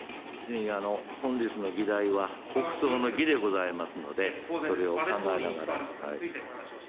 本日の議題は国葬の儀でございますので、それを考えながら。